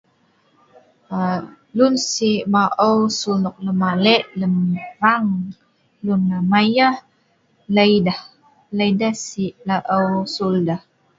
aa lun sik maeu sul nok lem alek lem rang lun amei yeh lei deh lei deh sik laeu sul deh